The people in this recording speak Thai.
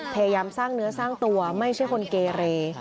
พยายามสร้างเนื้อสร้างตัวไม่ใช่คนเกเร